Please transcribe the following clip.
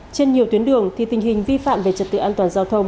trên nhiều tuyến đường thì tình hình vi phạm về trật tự an toàn giao thông